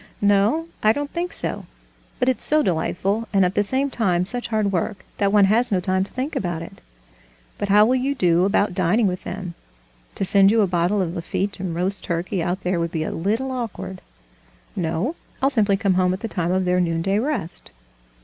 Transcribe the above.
"No, I don't think so; but it's so delightful, and at the same time such hard work, that one has no time to think about it." "But how will you do about dining with them? To send you a bottle of Lafitte and roast turkey out there would be a little awkward." "No, I'll simply come home at the time of their noonday rest."